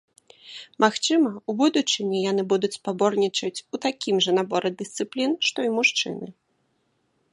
Магчыма, у будучыні яны будуць спаборнічаць у такім жа наборы дысцыплін, што і мужчыны.